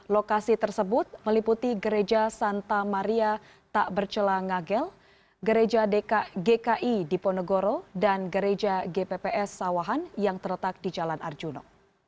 lokasi tersebut meliputi gereja santa maria takbercelangagel gereja gki diponegoro dan gereja gpps sawahan yang terletak di jalan arjuna